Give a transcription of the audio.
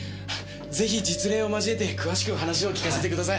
ぜひ実例を交えて詳しく話を聞かせてください。